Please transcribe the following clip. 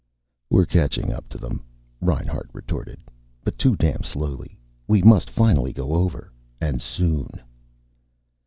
"We're catching up to them," Reinhart retorted. "But too damn slowly. We must finally go over and soon."